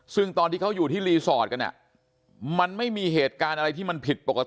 ซึ่งตอนที่เขาอยู่ที่รีสอร์ทกันมันไม่มีเหตุการณ์อะไรที่มันผิดปกติ